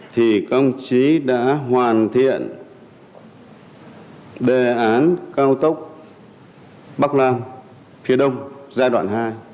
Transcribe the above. thì công chí đã hoàn thiện đề án cao tốc bắc nam phía đông giai đoạn hai